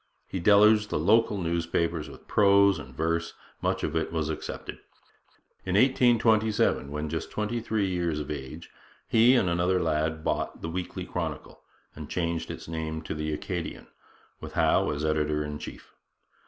He deluged the local newspapers with prose and verse, much of which was accepted. In 1827, when just twenty three years of age, he and another lad bought the Weekly Chronicle, and changed its name to the Acadian, with Howe as editor in chief.